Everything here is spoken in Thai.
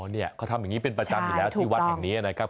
เนี่ยเขาทำอย่างนี้เป็นประจำอยู่แล้วที่วัดแห่งนี้นะครับ